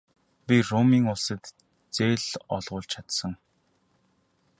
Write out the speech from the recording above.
Би Румын улсад зээл олгуулж чадсан.